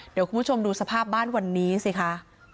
เดี๋ยวคุณผู้ชมดูสภาพบ้านวันนี้สิคะ